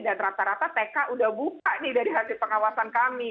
dan rata rata tk udah buka nih dari hasil pengawasan kami